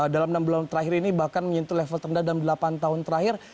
dalam enam bulan terakhir ini bahkan menyentuh level terendah dalam delapan tahun terakhir